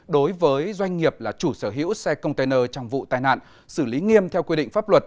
đối với doanh nghiệp là chủ sở hữu xe container trong vụ tai nạn xử lý nghiêm theo quy định pháp luật